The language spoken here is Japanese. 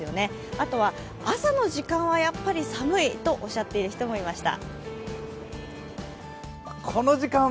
あとは、朝の時間はやっぱり寒いとおっしゃってる人も疲れた！